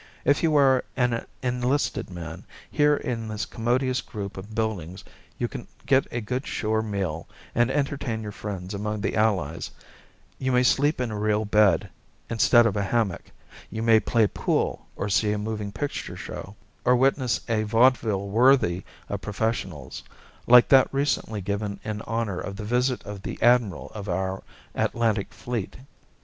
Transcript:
If you are an enlisted man, here in this commodious group of buildings you can get a good shore meal and entertain your friends among the Allies, you may sleep in a real bed, instead of a hammock, you may play pool, or see a moving picture show, or witness a vaudeville worthy of professionals, like that recently given in honour of the visit of the admiral of our Atlantic fleet.